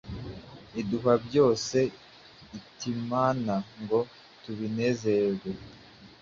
iduha byose itimana, ngo tubinezererwe;